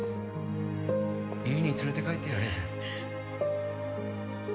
家に連れて帰ってやれ。